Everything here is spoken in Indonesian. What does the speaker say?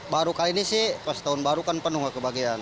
baru kali ini sih pas tahun baru kan penuh gak kebagian